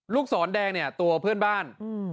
ลูกศรแดงตัวเพื่อนบ้าน